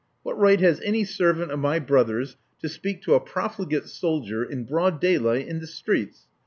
What right has any servant of my brother's to speak to a profligate soldier in broad daylight in the streets?